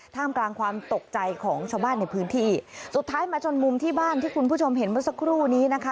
ท่ามกลางความตกใจของชาวบ้านในพื้นที่สุดท้ายมาจนมุมที่บ้านที่คุณผู้ชมเห็นเมื่อสักครู่นี้นะคะ